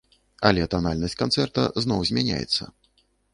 Але танальнасць канцэрта зноў змяняецца.